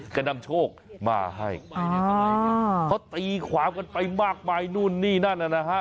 จะนำโชคมาให้เขาตีความกันไปมากมายนู่นนี่นั่นนะฮะ